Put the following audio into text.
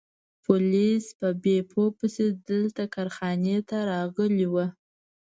پولیس بیپو پسې دلته کارخانې ته راغلي وو.